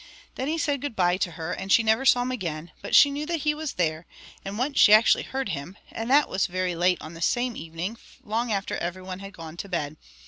Then he said good bye to her, and she never saw him again, but she knew that he was there, and once she actually heard him; and that was very late on this same evening, long after everyone had gone to bed.